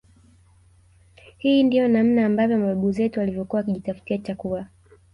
Hii ndio namna ambavyo mababu zetu walivyokuwa wakijitafutia chakula